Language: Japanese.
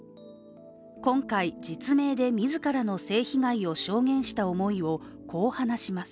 今回実名で自らの性被害を証言した思いをこう話します。